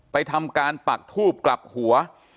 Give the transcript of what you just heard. ทำการปักทูบกลับหัว